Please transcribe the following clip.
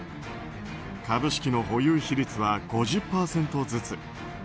株式の保有比率は５０％ずつ。